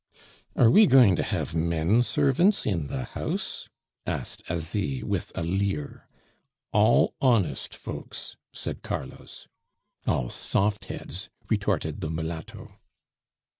"Are we going to have men servants in the house?" asked Asie with a leer. "All honest folks," said Carlos. "All soft heads," retorted the mulatto.